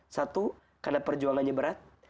satu karena perjuangannya berat